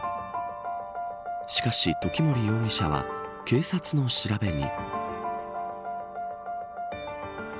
しかし、時森容疑者は警察の調べに。